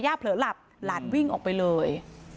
เผลอหลับหลานวิ่งออกไปเลย